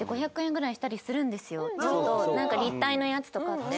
ちょっと立体のやつとかって。